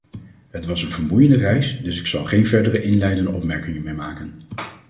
Het was een vermoeiende reis, dus ik zal geen verdere inleidende opmerkingen meer maken.